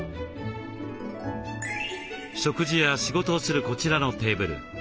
食事や仕事をするこちらのテーブル。